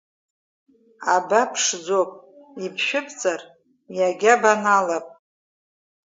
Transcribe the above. Аба ԥшӡоуп, ибшәыбҵар иагьа банаалап.